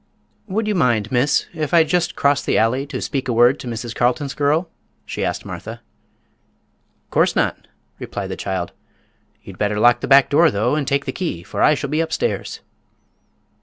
"Would you mind, miss, if I just crossed the alley to speak a word to Mrs. Carleton's girl?" she asked Martha. "'Course not," replied the child. "You'd better lock the back door, though, and take the key, for I shall be upstairs."